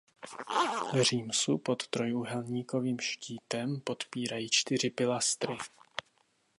Římsu pod trojúhelníkovým štítem podpírají čtyři pilastry.